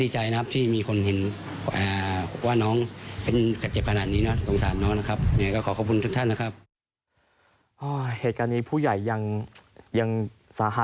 ใช่ค่ะก็เป็นกำลังใจให้ครอบครัวด้วยนะคะ